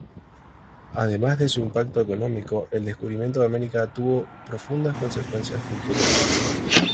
Además de su impacto económico, el descubrimiento de América tuvo profundas consecuencias culturales.